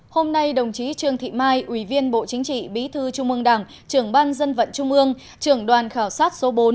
hôm nay đồng chí trương thị mai ủy viên bộ chính trị bí thư trung ương đảng trưởng ban dân vận trung ương trưởng đoàn khảo sát số bốn